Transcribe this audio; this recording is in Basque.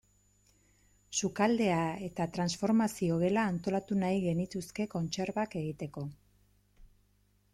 Sukaldea eta transformazio gela antolatu nahi genituzke kontserbak egiteko.